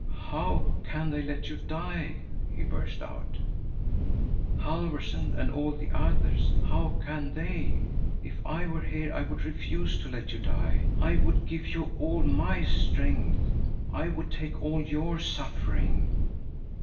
"How can they let you die?" he burst out. "Halfvorson and all the others, how can they? If I were here, I would refuse to let you die. I would give you all my strength. I would take all your suffering."